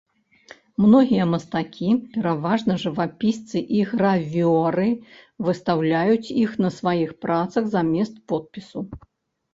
Многія мастакі, пераважна жывапісцы і гравёры, выстаўляюць іх на сваіх працах замест подпісу.